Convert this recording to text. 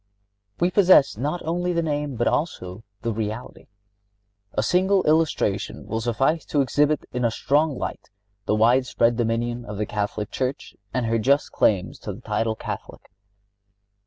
(65) We possess not only the name, but also the reality. A single illustration will suffice to exhibit in a strong light the widespread dominion of the Catholic Church and her just claims to the title of Catholic.